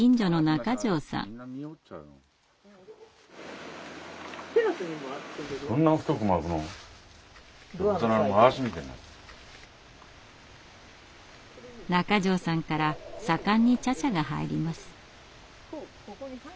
中條さんから盛んにチャチャが入ります。